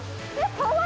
かわいい！